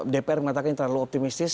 dpr mengatakan terlalu optimistis